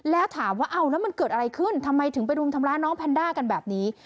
แล้วถามว่าเอาแล้วมันเกิดอะไรขึ้นทำไมถึงไปรุมทำร้ายน้องแพนด้ากันแบบนี้